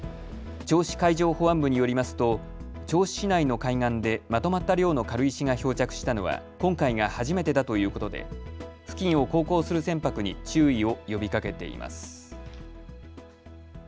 銚子海上保安部によりますと銚子市内の海岸でまとまった量の軽石が漂着したのは今回が初めてだということで付近を航行する船舶に注意を呼びかけています。